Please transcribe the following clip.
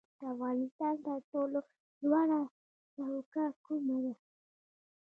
د افغانستان تر ټولو لوړه څوکه کومه ده؟